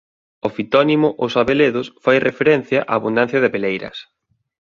O fitónimo Os Abeledos fai referencia á abundancia de abeleiras.